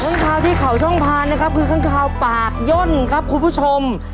ข้างคาวที่เขาช่องพานนะครับคือข้างคาวปากย่นครับคุณผู้ชม